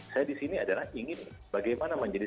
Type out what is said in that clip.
saya di sini adalah ingin bagaimana menjadi